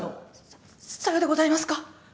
ささようでございますか。